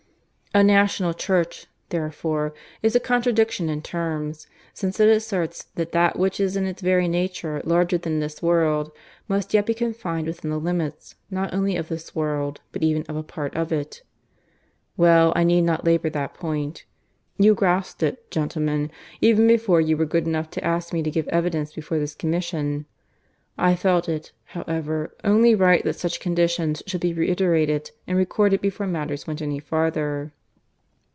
A National Church, therefore, is a contradiction in terms, since it asserts that that which is in its very nature larger than this world must yet be confined within the limits not only of this world, but even of a part of it. ... Well, I need not labour that point. You grasped it, gentlemen, even before you were good enough to ask me to give evidence before this Commission. I felt it, however, only right that such conditions should be reiterated and recorded before matters went any farther.